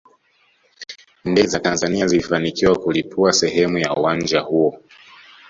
Ndege za Tanzania zilifanikiwa kulipua sehemu ya uwanja huo